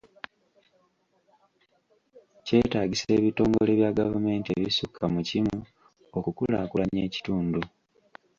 Kyetaagisa ebitongole bya gavumenti ebisukka mu kimu okukulaakulanya ekitundu.